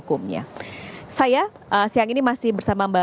gambar yang anda saksikan saat ini adalah